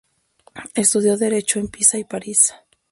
Estudio derecho en Pisa y París.